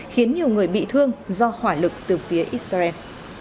khiến nhiều người bị thương do hỏa lực từ phía israel